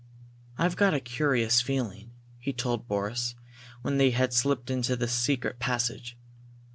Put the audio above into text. "I've got a curious feeling," he told Boris, when they had slipped into the secret passage.